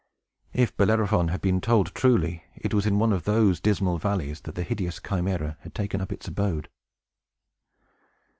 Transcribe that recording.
If Bellerophon had been told truly, it was in one of those dismal valleys that the hideous Chimæra had taken up its abode.